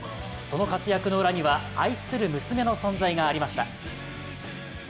その活躍の裏には愛する娘の存在がありました。